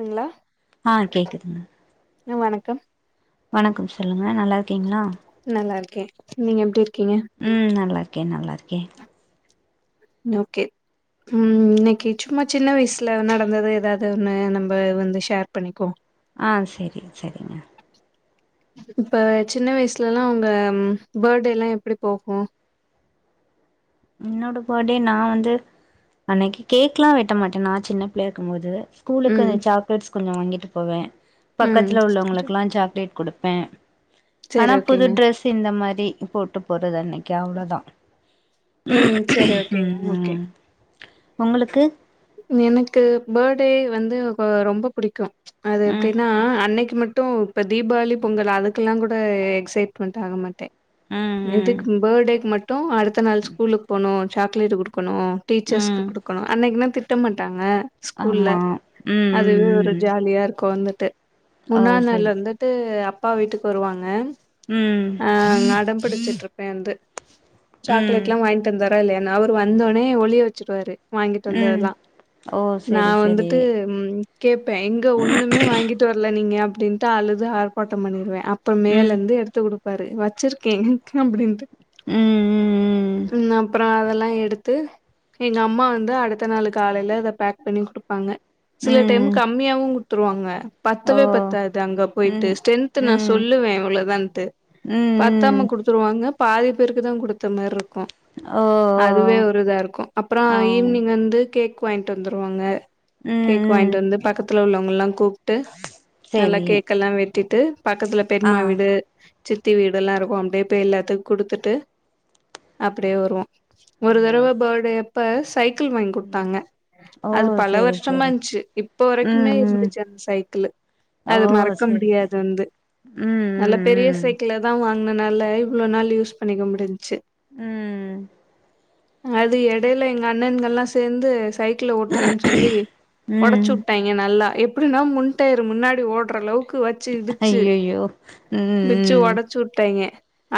ங்களா ஆ கேக்குதுங்க ஆ வணக்கம் வணக்கம் சொல்லுங்க நல்லா இருக்கீங்ளா நல்லா இருக்கே நீங்க எப்டி இருக்கீங்க ம் நல்லா இருக்கே நல்லா இருக்கே ஓகே ம் இன்னைக்கி சும்மா சின்ன வயசுல நடந்தது ஏதாது ஒன்னு நம்ம வந்து ஷேர் பண்ணிக்குகோ ஆ சேரி சேரிங்க இப்ப சின்ன வயசுலல்லா உங்க பர்த்டேல்லா எப்டி போகு என்னோட பர்த்டே நா வந்து அன்னைக்கு கேக்லா வெட்ட மாட்டே நா சின்ன பிள்ளையா இருக்கும் போது ம் ஸ்கூலுக்கு சாக்லேட்ஸ் கொஞ்சோ வாங்கிட்டு போவே ம் பக்கத்துல சரி உள்ளவங்களுக்லா சாக்லேட் குடுப்பே ஆனா சரி புது ஓகேங்க ட்ரெஸ் இந்த மாரி போட்டு போறது அன்னைக்கி அவ்ளோதா ம் செரி ஓகே ம் ஓகே ம் உங்களுக்கு எனக்கு பர்த்டே வந்து ரொம்ப பிடிக்கு அது எப்டின்னா ம் அன்னைக்கு மட்டு இப்ப தீபாவளி பொங்கல் அதுக்கெல்லா கூட எக்ஸைட்மெண்ட் ஆக மாட்டே ம் ம் எதுக்கு பர்டேக்கு மட்டு அடுத்த நாள் ஸ்கூலுக்கு போனு சாக்லேட் குடுக்கணு டீச்சர்ஸ்க்கு ம் குடுக்கணு அன்னைக்குன்னா திட்ட மாட்டாங்க ஸ்கூல்ல ஆமா ம் அதுவே ம் ஒரு ம் ஜாலியா இருக்கு வந்துட்டு ஓ முன்னா செரி நாள்லந்து செரி வந்துட்டு அப்பா வீட்டுக்கு வருவாங்க ம் ஆ அடம் பிடிச்சிட்டிருப்பே வந்து ம் சாக்லேட் ல்லா வாங்கிட்டு வந்தாரா இல்லையனு அவரு வந்தோட்னே ஒளிய வெச்சிடுவாரு வாங்கிட்டு ம் வந்ததெல்லா ஓ நா செரி செரி வந்துட்டு ம் கேப்பே எங்க ஒன்னுமே வாங்கிட்டு வர்ல நீங்க அப்டின்னுட்டு அழுது ஆர்ப்பாட்டம் பண்ணிடுவே அப் அப்ப மேல ம் இருந்து எடுத்து குடுப்பாரு வச்சிருக்கே அப்டின்ட்டு ம் அப்பறம் அதெல்லா எடுத்து எங்க அம்மா வந்து அடுத்த நாளு காலையில அத பேக் பண்ணி குடுப்பாங்க சில டைம் ம் ம் கம்மியாவும் துருவாங்க ஓ பத்துவே பத்தாது அங்க போயிட்டு ம் ஸ்ட்ரென்த் நா ம் சொல்லுவே இவ்ளதான்ட்டு ம் ம் பத்தாம குடுத்துருவாங்க பாதி பேருக்கு தா குடுத்த மாரி இருக்கு ஓ அதுவே ஓ ஒரு இதா இருக்கு அப்றோ ஆ ம் ஈவ்னிங் வந்து கேக் வாங்கிட்டு வந்துருவாங்க ம் கேக் வாங்கிட்டு வந்து பக்கத்துல உள்ளவங்கல்லா கூப்டு நல்லா செரி கேக்கெல்லா வெட்டிட்டு பக்கத்துல ஆ பெரிமா வீடு சித்தி வீடெல்லா இருக்கு அப்டியே போய் எல்லாத்துக்கு குடுத்துட்டு அப்டியே வருவோ ஓ ஒரு தறவை பர்டே அப்ப சைக்கிள் வாங்கி குடு ம் தாங்க ஓ அது பல செரி வருஷமா செரி இருஞ்சி இப்ப வரைக்குமே ம் ம் இருந்துச்சி அந்த சைக்கிளு ஓ அது மறக்க செரி முடியாது செரி வந்து நல்ல பெரிய ம் ம் சைக்கிள் தான் வாங்கனனால இவ்ளோ நாள் யூஸ் பண்ணிக்க முடிஞ்சி ம் அது எடையில எங்க அண்ணன்கள்லா சேந்து சைக்கிள ஓட்றேன்னு சொல்லி ஒடச்சி ம் உட்டாங்க நல்லா எப்டின்னா முன்டையர் முன்னாடி ஓட்ற அளவுக்கு வச் வச்சி இடிச்சி ஐயையோ ம் இடிச்சி ம் ஒடச்சி உட்டங்க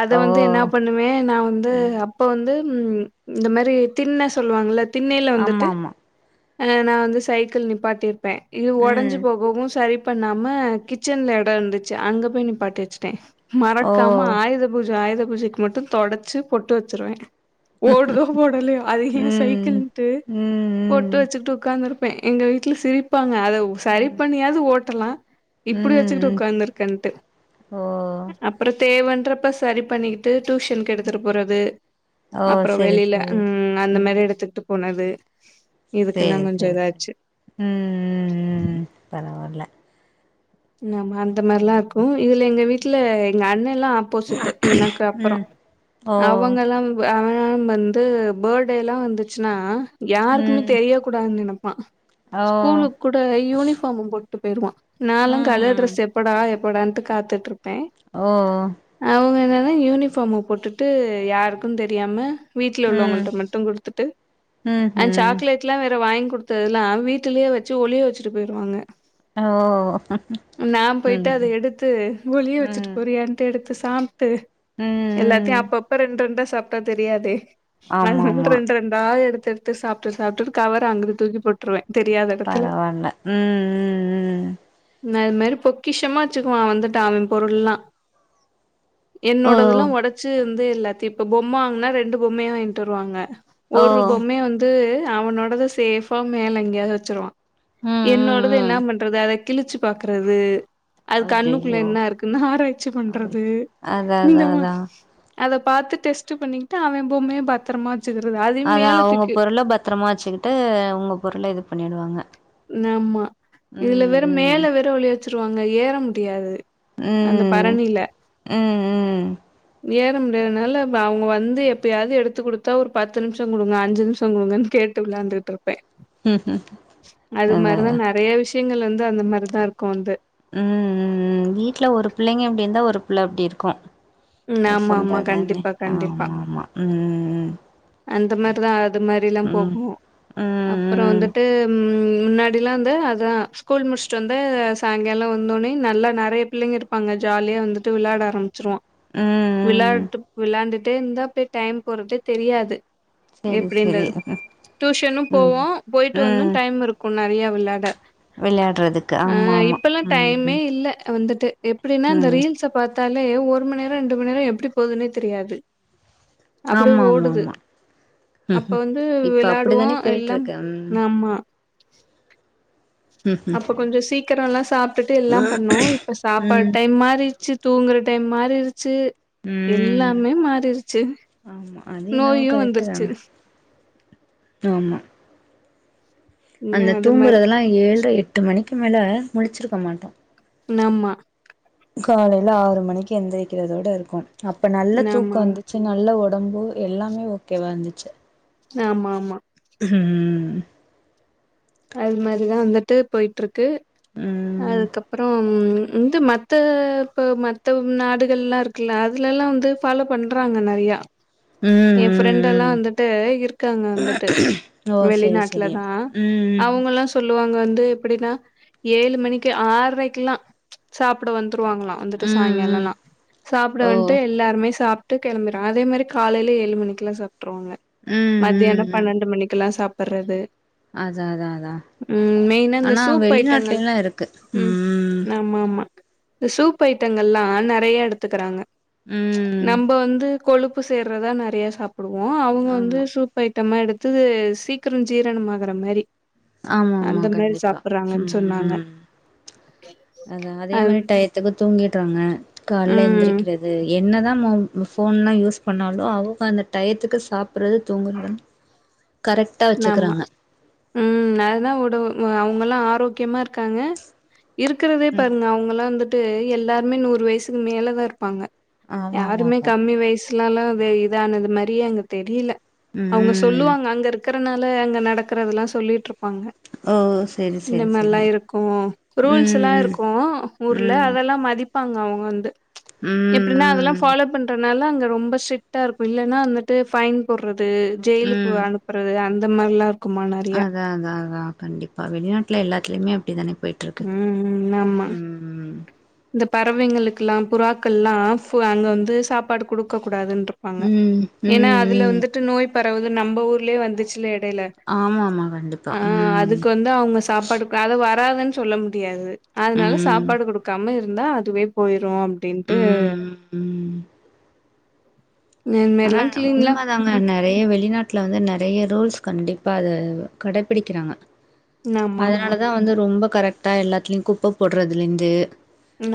அத ஓ வந்து என்ன பண்ணுவே நா வந்து ம் அப் இப்ப வந்து ம் இந்த மாரி திண்ண சொல்லுவாங்கல்ல திண்ணயில ஆமா வந்துட்டு ஆமா ஆ நா வந்து சைக்கிள் நிப்பாட்டியிருப்பே இது ம் ஒடஞ்சு போகவு சரிப் பண்ணாம கிச்சன்ல எடோ இருந்துச்சு அங்க போய் நீப்பாட்டி வச்சட்டே ஓ மறக்காம ஆயுத பூஜ ஆயுத பூஜக்கு மட்டு தொடச்சு பொட்டு வச்சிருவே ஓடுதா போடலையே அத ஏன் ம் சைக்கிள்ட்டு ம் போட்டு ம் வச்சுட்டு உக்காந்துருப்ப எங்க வீட்டுல சிரிப்பாங்க அத சரி ம் பண்ணியாது ஓட்டலா இப்டி ம் வச்சுக்கிட்டு ம் உக்காந்துருக்கன்ட்டு ஓ அப்றோ தேவன்றப்ப சரி பண்ணிக்கி ட்டு டுசன்கு ம் எடுத்துட்டு போறது ஓ அப்றோ செரி வெளியில செரி ம் அந்த மாரி எடுத்து ட்டு போனது செரி இதுக்கெல்லாம் செரி கொஞ்சம் இதாச்சு. ம் ம் ம் ம் பரவால்ல ஆமா அந்த மார்லாருக்கு இதுல எங்க வீட்ல எங்க அண்ணெல்லா ஆப் போசிட் எனக்கு அப்றோ, ம் ஓ அவுங்கெல்லா [inaudible] ஆ வந்து பர்டேலா வந்துச்சுனா யாருக்குமே ம் தெரியக் கூடாதுன் நெனப்பா, ஓ ஸ்கூலுக்கூட யூனிஃபார்மு போட்டு போயிருவா, நாலாங் கலர் ம்ஹும் ட்ரெஸ்ஸு எப்படா எப்படான்ட்டு காத்துட்ருப் ஒ ஓ அவுங்க என்னன்னா யூனிஃபாமு போட்டு யாருக்கு தெரியாம வீட்ல ம் உள்ளவுங்கள்ட்ட மட்டு குடுத்துட்டு, அந் ம்ஹும் சாக்லேட் ட்ல வேற வாங்கி குடுத்ததெல்லா வீட்டுலையே வச்சு ஒளிய வச்சுட்டு போயிருவாங்க அ ஓ நா போயிட்டு ம் அத எடுத்து ஒழிய வெச்சுட்டு ம் போறியான்ட்டு எடுத்து சாப் டு எல்லாத்தையு ம் அப்பப்ப ரெண் ரெண்டா சாப்ட்டா தெரியாதே ஆமா அதனால ஆமா ரெண்ரெண்டா எடுத்தெடுத்து சாப்ட்டு சாப்டுட்டு கவர அங்குட்டு தூக்கி போட்ருவே தெரியாத எடத்துல பரவால்ல ம் ம் ம் நா இதமாரி பொக்கிஷமா வெச்சுக்குவா வந்துட்டா அவே பொருள்லா ஓ என்னோடதுலா ஒடச்சு வந்து எல்லாத்தையு இப்ப பொம்ம வாங்குனா ரெண்டு பொம்மையா வாங்ட்டு வருவாங்க ஒரு ஓ பொம்மைய வந்து அவனோடத சேஃபா மேல எங்கியாது வெச்சுருவா ம் ம் என்னோடது என்னா ம் பண்றது அத கிழிச்சு பாக்குறது அது கண்ணுக்குள்ள அய்யய்யோ என்னா இருக்குன்னு ஆராய்ச்சி அது பண்றது, அதா அதா இந்த மா அதா அத பாத்து டெஸ்ட் பண்ணிக்கிட்டு அவே பொம்மைய பத்தரமா வெச்சுக்கறது அதயு மேல தூக்கி பத்தரமா வெச்சுக்குட்டு உங்க பொருள இது பண்ணிடுவாங்க நம்மா இதுல ம் வேற ம் மேல வேற ஒழிய வெச்சுருவாங்க ஏற முடியாது அந்த ம் பரணில்ல ம் ஏற முடியாதனால அப்ப அவுங்க வந்து எப்பயாது எடுத்து குடுத்தா ஒரு பத்து நிம்ஷோ குடுங்க அஞ்சு நிம்ஷோ குடுங்கன்னு கேட் டு விளாண்டுட்டு இருப்பே ம் அது அதா மாரிதா அதா நெறையா விஷ்யங்கள் வந்து அந்த மாரிதா இருக்கு வந்து ம் ம் ம் வீட்டுல ஒரு புள்ளைங்க இப்டி இருந்தா ஒரு புள்ள அப்டி இருக்கு ம் அது ஆமா ஆமா சொல்றாதானே கண்டிப்பா கண்டிப்பா ஆமா ஆமா ம் ம் ம் அந்த மாரிதா ஆவு அந்த மாரில்லா போகு ம் ம் அப்றோ ம் வந்துட்டு ம் முன்னாடில்லா வந்து அது அதா ஸ்கூல் முடிச்ட்டு வந்து சாயங்காலோ வந்தோன்னையு நல்லா நெறைய பிள்ளைங்க இருப்பாங்க ஜாலியா வந்துட் டு விளாட ஆரம்பிச்சிருவோ ம் ம் விளாட்டுப் விளாண்டுட்டே இருந்தா அப்டே டைம் போறதே தெரியாது செரி செரி எப்டின்றது டூஷனும் ம் போவோ போயிட்டு வந்து ம் டைம் இருக்கு கு நறையா வெளாட விளையாடுறதுக்கு இ ஆமா ஆமா இப்பல்லா டைமே ம் இல்ல வந்துட்டு எப்பிடினா இந்த ம் ரீல்ஸ பாத்தாலே ஒரு மண் நேரோ ரெண்டு மண் நேரோ எப்டி போதுன்னே தெரியாது அப்டியே ஆமா ஆமா ஓடுது ஆமா அப்ப வந்து இப்ப விளாடுவோ அப்படித்தானே போயிட்டு எல்லம் இருக்கு ம் ஆமா ம் அப்ப கொஞ்சோ சீக்கரோ எல்லா சாப்டுட்டு எல்லாம் பண்ணுவோ இப்ப சாப்பாடு ம் டைம் மாறிச்சு தூங்குற டைம் மாறிருச்சு ம் ம் எல்லாமே மாறிருச்சு ஆமா அது என்னவோ நோயு கரெட்டு வந்துருச்சு தான ஆமா அந்த உம் அது மாரி தூங்குறதெலா ஏழ்ர எட்டு மணிக்கு மேல முலுச்சிருக்க மாட்டோ நம்மா காலைல ஆறு மணிக்கு எந்திரிக்கறதோட இருக்கோ அப்ப நல்ல ஆமா தூக்கோ ஆமா வந்து ச்சு நல்ல உடம்பு எல்லாமே ஓகேவா இருந்துச்சு ஆமா ஆமா ம் அது மாரிதா வந்துட்டு போய்ட்டுருக்கு ம் அதுக்கப்புற ம் இந்த மத்த இப்ப மத்த நாடுகள்லா இருக் கிளாத்துலல்லா வந்து ஃபாலோ பண்றாங்க நறையா ம் ம் என் ஃப்ரெண்டெல்லா ம் வந்துட்டு இருக்காங்க வந்துட்டு ஓ செரி வெளிநாட்ல செரி தா ம் அவுங்க ளா சொல்லுவாங்க வந்து எப்டினா ஏழு மணிக்கே ஆறைக்லா சாப்ட வந்துருவாங்ளா வந்துட்டு ம் ம் ம் சாய்ங்காலல்ல சாப்ட ஓ வன்ட்டு எல்லாருமே சாப்ட்டு கெளம்பிறா அதே மாரி காலையில ஏழு மணிக்கெல்லா சாப் ட்றோங்க ம் ம் மத்தியான ம் பன்ணண்டு மணிக்கல்லா சாப்பர்றது அதா அதா அதா ம் மெயினா இந்த ஆனா சூப் ஐட்டங்கள் வெளிநாட்லல்லா இருக்கு ம் ஆமா ஆமா இந்த சூப் ஐட்டங்கல்லா நறைய எடுத்துக்கறாங்க ம் நம்ப வந்து கொழுப்பு சேர்றதா நறைய சாப்புடுவோ அவுங்க வந்து ஆமா சூப் சூப் ஐட்டமா எடுத்து சீக்ர ஜீரணமாகற மாரி ஆமா ஆமா அந்த மாரி கண்டிப்பா சாப்புட்றாங்கன்னு சொன்னாங்க. ம் அதா அதே அது மாரி டை த்துக்கு தூங்கிட்றாங்க கால்ல ம் எந்திரிக்றது என்னதா போன்லா யூஸ் பண்ணாலு அவுங்க அந்த டயத்துக்கு சாப்றது தூங்குறத்தெல்லா ஆமா ம் அதா உணவு அவுங்கள்ளா ஆரோக்கியமா இருக்காங்க இருக்றதே ம் பாருங்க அவுங்கல்லா வந்துட்டு எல்லார்மே நூறு வயசுக் மேலதா இருப்பாங்க ஆமா ஆமா யாருமே ஆமா கம்மி வயசுலல்லா இதானது மாரியே அங்க தெரில அவுங்க ம் சொல்லுவாங்க அங்க இருக்குறனால அங்க நடக்கறதெல்லா சொல்லிட்ரிப்பாங்க ஓ செரி இந்த செரி மார்லா செரி இருக்கு ரூல்ஸ்லா ம் ம் இருக்கு ஊர்ல ம் அதெல்லா மதிப் ப்பாங்க அவுங்க வந்து எப்டினா அதெல்லா ம் ஃபாலோ பண்றனால அங்க ரொம்ப ஸ்ட்ரிட்டா இருக்கு இல்லன்னா வந்துட்டு ஃபைன் போடுறது ம் ஜெயில்க்கு அனுப் றது அந்த மார்லா அதா அதா அதா கண்டிப்பா வெளிநாட்ல எல்லாத்லியுமே அப்டித்தான போயிட் ருக்கு ம் ஆமா ம் ம் ம் இந்த பறவைங்களுக்லா புறாக்கள்லா ஃபு அங்க வந்து சாப்பாடு குடுக்க கூடாதுன்ற ப்பாங்க ம். ம். ஏனா அதுல ம். வந்துட்டு நோய் பரவுது நம்ம ஊர்லயே வந்துச்சுல எ இடைல ஆமாமா கண்டிப்பா. ஆ ம். அதுக்கு வந்த் அவுங்க சாப்பாடுக் அத வராதுன்னு சொல்ல முடியாது அதனால ம். சாப்பாடு குடுக் காம இருந்தா அதுவே போயிரு அப்டின்ட்டு ம். ம். இந்த ஆனா மாரிலா அது கிளீன்லா உண்ம தா ங்க நெறைய வெளிநாட்ல வந்து நெறைய ரூல்ஸ் கண்டிப்பா அத கடப்பிடிக்றாங்க ம் ஆமா ஆமா அதனாலதா வந்து ரொம்ப கரெக்ட்டா எல்லாத்ல்லியு குப்ப போட்றதுலிந்து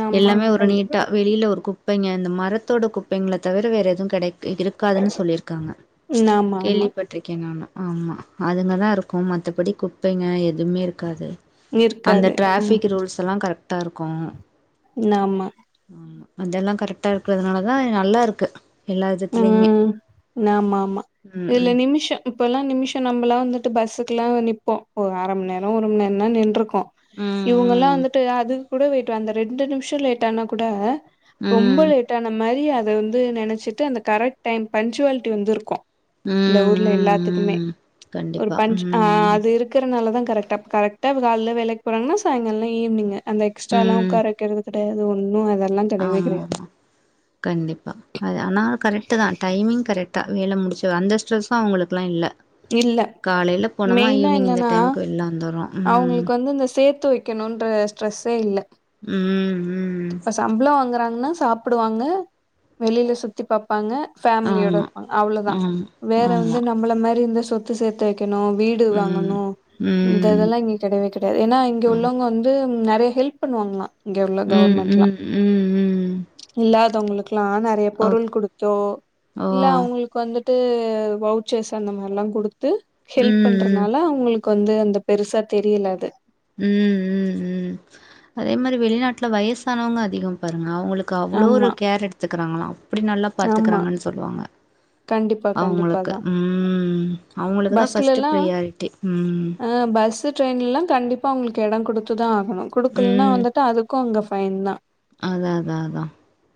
ஆமா எல்லாமே ஒரு கண்டிப்பா நீட்டா வெளில ஒரு குப்பைங்க அந்த மரத்தொட குப்பைங்கள தவிர வேற எதுவு கெடைக் த்து இருக்காதுனு சொல்லிருக்காங்க ம்ச் ஆமா ஆமா கேள்விபட் ட்ருக்கேன் நானு ஆமா அதுங்க தா இருக்கும் மத்தபடி குப்பைங்க எதுமே இருக்காது அந்த இருக்காது ம் டிராஃபிக் ரூல்ஸ்லா கரக்டா இருக்கும் ம் ஆமா ம்ஆ அதெல்லா கரெக்டா இருக்றதுனால தா நல்லா இருக்கு எல்லாது ம் ம் ஆமா ஆமா ம் இத்ல ம் நிமிஷ இப்பல்லா நிமிஷ நம்பளா வந்துட்டு பஸ்ஸுக்லா நிப்போ ஒரு அரமணி நேர ஒரு ம நேரன்தா நின்றுக்கு கு இவுங்கெல்லா ம் ம் வந்துட்டு அதுக்குகூட வெயிட் அந்த ரெண்டு நிம்ஷ லேட் ஆனா கூட ரொம்ப ம் லேட்டான மாரி அத வந்து நெனச்சிட்டு அந்த கரெட் டைம் பன்ச்சுவாலிட்டி வந்துருக்கும் ம் இந்த ஊர்ல ம் எல்லாத்துக்மே ம் ஒரு கண்டிப்பா பஞ்ச் ம் ஆ ம் அது இருக் இருக்ரனால தா கரக்ட்டா கரக்ட்டா கால்ல வேலக் போறாங்கன்னா சாய்ங்கால ஈவ்னிங் அந்த எக்ஸ்ட்ராலா உட்கார வெக்கிறதுக் [unintelligible] அது ஒண்ணு அதல் ஆம் ஆமா கண்டிப்பா அது ஆனா கரெக்டு தா டைமிங் கரெக்டா வேல முடிச்ச அந்த ஸ்ட்ரெஸ்சும் அவுங்களுக்குல்லா இல்ல இல்ல காலைல போனோமா மெயினா ஈவினிங் இந்த என்னன்னா டைம்க்கு வெளில வந்துர்றோ ம் அவங்களுக்கு வந்து இந்த சேத்து வை கக்கணுன்ற ஸ்ட்ரெஸ்ஸே இல்ல ம் ம் இப்ப சம்பள வாங்குறாங்கன்னா சாப்புடுவாங்க வெளியில சுத்தி பாப்பாங்க ஃபேம்லியோட ஆமா இருப்பாங்க அவ்ளோதா ஆமா வேற ஆமா வந்து நம் நம்பள மேரி இந்த சொத்து சேத்து வைக்கணு வீடு ம் வாங்கணு இந்த ம் இதல்லா இங்க கிடயவே கிடையாது ஏன்னா இங்க உள்ளவங்க வந்து நெ றைய ஹெல்ப் பண்ணுவாங்களா இங்க உள்ள ம் கவர்மெண்ட்லா ம் ம் ம் இல்லாதவங்களுக்குல்லா நெறைய ஓ பொருள் கொடு போ ஓ இல்ல அவங்களுக்கு வந்துட்டு வவுச்சஸ் அந்த மாரில்லா கொடுத்து ஹெல்ப் ம் ம் பண்றதுனால அவுங்களுக்கு வந்து அந்த பெருசா தெரியல அது ம் ம் ம் அதே மாதிரி வெளிநாட்டுல வயசானவங்க அதிக பாருங்க அவுங்களுக்கு அவ்வளோ ஒரு ஆமா கேர் எடுத்துக்கிறாங்களா அப்டி நல்லா ஆமா பாத்துக்கறாங்கன்னு சொல்லுவாங்க கண்டிப்பா கண்டிப்பாதா அவுங்களுக்கு ம் அவுங்களுக்குதா ஃபர்ஸ்ட் பிரியாரிட்டி ம் அ பஸ் ட்ரெயின்ல்லா கண்டிப்பா அவுங்களுக்கு இட கொடுத்துதா ஆகணு கொடுக்கல்லினா வந்துட்டு அதுக்கு கொங்க ஃபைன் தா அது அது அதா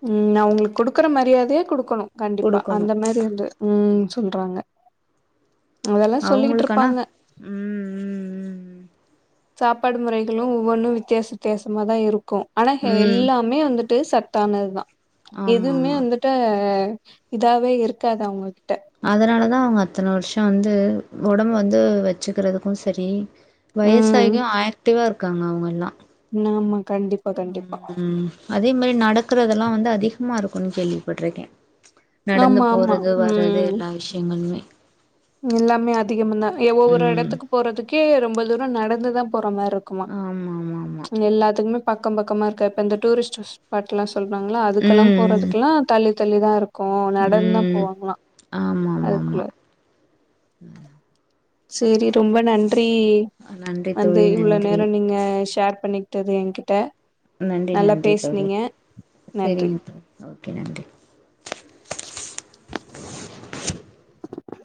ம் நா அவுங்களுக்கு குடுக்குற மரியாதையே குடுக்கணும் கண்டிப்பா குடுக்கணு அந்த மாரி வந்து ம் சொல்றாங்க அதெல்லா சொல்லிக்கிட்டு அவுங்களுக்கானா இருப்பாங்க ம் ம் ம் சாப்பாடு முறைகளு ஒவ்வொன்னு வித்தியாச வித்தியாசமா தா இருக்கு ஆனா ம் எல்லாமே வந்துட்டு ச தானது தா ஆமா எதுவுமே ஆமா வந்துட்ட இதாவே இருக்காது அவங்ககிட்ட அதனாலதா அவங்க அத்தன வருஷ வந்து உடம்பு வந்து வச்சுக்கிறதுக்கு சரி ம் வயசாயு ஆக்டிவா இருக்காங்க அவங்கல்லா ஆமா கண்டிப் உம் அதே மாரி நடக்கறதெல்லா வந்து அதிகமா இருக்கும்ன்னு கேள்விப்பட்டிருக்க நடந்து ஆமா ஆமா போறது வர்றது ம் எல்லா விஷயங்களுமே எல்லாமே அதிகம் தா எ ஒவ்வொரு ம் எடத்துக்கு போறதுக்கே ரொம்ப தூர நடந்துதா போற மாரி இருக்குமா ஆமா ஆமா ஆமா எல்லாத்துக்குமே பக்கம் பக்கமா இருக்க இப்போ இந்த டூரிஸ்ட் ஸ்பாட்லா சொல்றாங்களா அதுக்கெல்லா ம் போறதுக்கெலா தள்ளி தள்ளி தா இருக் க்கு நடந்தா ம் போவாங்களா அதுக்குள்ள ம் சரி ரொம்ப நன்றி நன்றி வந்து தோழி இவ்வளோ நன்றி நேரோ நீங்க ஷேர் பண்ணி ட்டது என்கிட்ட நன்றி நல்லா நன்றி தோழி பேசுனீங்க நன்றி சரிங்க தோழி ஓகே நன்றி